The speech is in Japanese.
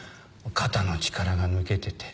肩の力が抜けてて。